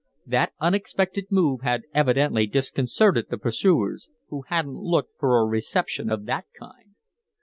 That unexpected move had evidently disconcerted the pursuers, who hadn't looked for a reception of that kind.